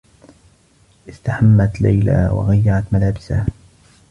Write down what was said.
استحمّت ليلى و غيّرت ملابسها.